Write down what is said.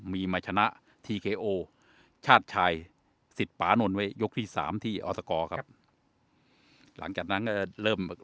มีมาชนะทีเคโอชาติชัยสิทธิ์ปานนท์ไว้ยกที่สามที่ออสกอร์ครับหลังจากนั้นก็จะเริ่ม